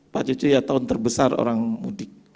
pak cucu ya tahun terbesar orang mudik